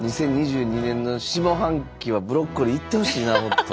２０２２年の下半期はブロッコリーいってほしいなもっと。